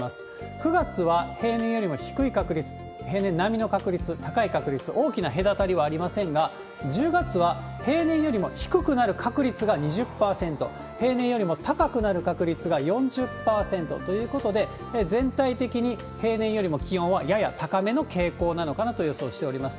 ９月は平年よりも低い確率、平年並みの確率、高い確率、大きな隔たりはありませんが、１０月は平年よりも低くなる確率が２０％、平年よりも高くなる確率が４０％ということで、全体的に平年よりも気温はやや高めの傾向なのかなと予想しております。